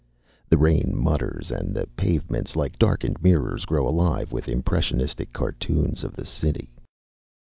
The rain mutters and the pavements, like darkened mirrors, grow alive with impressionistic cartoons of the city.